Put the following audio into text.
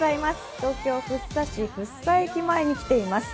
東京・福生市、福生駅前に来ています。